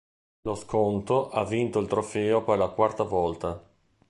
Lo Skonto ha vinto il trofeo per la quarta volta.